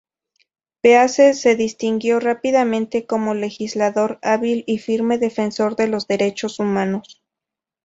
Pease se distinguió rápidamente como legislador hábil y firme defensor de los derechos humanos.